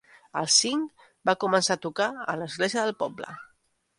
Als cinc, va començar a tocar a l'església del poble.